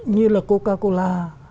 như là coca cola